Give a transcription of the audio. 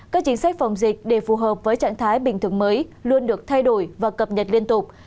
các chính sách phòng dịch để phù hợp với trạng thái bình thường mới luôn được thay đổi và cập nhật liên tục